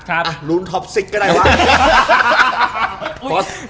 อะรุ่นท็อป๖ก็ได้วะ